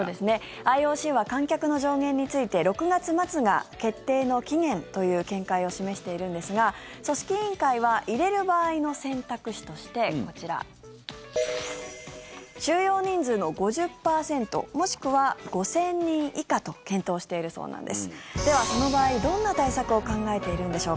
ＩＯＣは観客の上限について６月末が決定の期限という見解を示しているんですが組織委員会は入れる場合の選択肢としてこちら、収容人数の５０％もしくは５０００人以下と検討しているそうなんです。